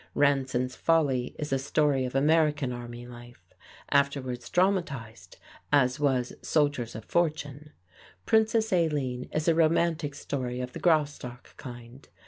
"Ranson's Folly" is a story of American army life afterwards dramatized, as was "Soldiers of Fortune." "Princess Aline" is a romantic story of the "Graustark" kind.